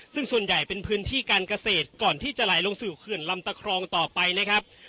ซึ่งส่วนใหญ่เป็นพื้นที่การเกษตรก่อนที่จะไหลลงสู่เขื่อนลำตะครองต่อไปนะครับ